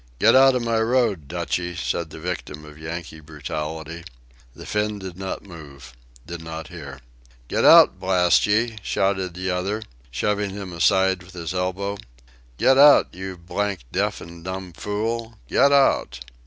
"Get out of my road, Dutchy," said the victim of Yankee brutality. The Finn did not move did not hear. "Get out, blast ye," shouted the other, shoving him aside with his elbow. "Get out, you blanked deaf and dumb fool. Get out."